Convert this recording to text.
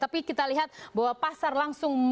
tapi kita lihat bahwa pasar langsung